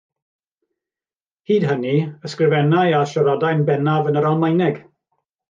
Hyd hynny, ysgrifennai a siaradai'n bennaf yn yr Almaeneg.